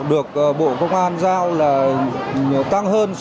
được bộ công an giao là tăng hơn